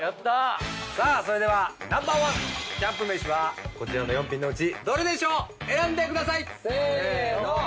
さあそれではＮｏ．１キャンプ飯はこちらの４品のうちどれでしょう選んでください！せの！